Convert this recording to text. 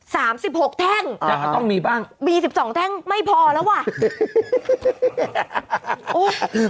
สามสิบหกแทงมีสิบสองแทงไม่พอแล้ววะอุ๊ย